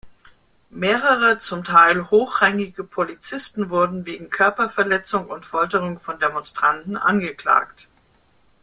Mehrere zum Teil hochrangige Polizisten wurden wegen Körperverletzung und Folterung von Demonstranten angeklagt.